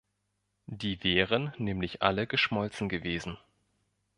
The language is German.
Die wären nämlich alle geschmolzen gewesen.